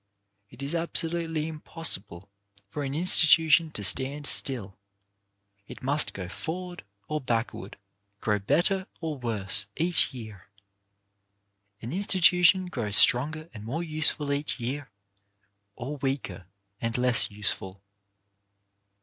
It is absolutely impossi ble for an institution to stand still; it must go forward or backward, grow better or worse each year. An institution grows stronger and more useful each year, or weaker and less useful.